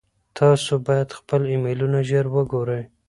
تاسو باید خپل ایمیلونه ژر وګورئ.